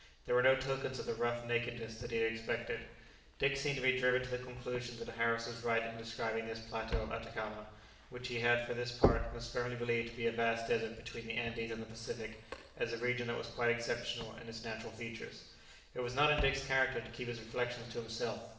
There were no tokens of the rough nakedness that he had expected. Dick seemed to be driven to the conclusion that Harris was right in describing this plateau of Atacama, which he had for his part most firmly believed to be a vast desert between the Andes and the Pacific, as a region that was quite exceptional in its natural features. It was not in Dick's character to keep his reflections to himself.